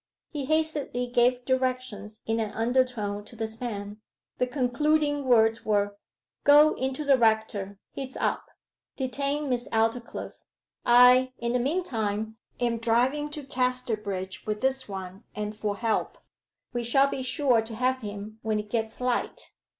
He hastily gave directions in an undertone to this man. The concluding words were, 'Go in to the rector he's up. Detain Miss Aldclyffe. I, in the meantime, am driving to Casterbridge with this one, and for help. We shall be sure to have him when it gets light.